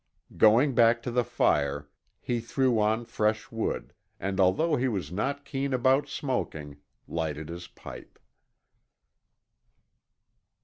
Going back to the fire, he threw on fresh wood, and although he was not keen about smoking, lighted his pipe.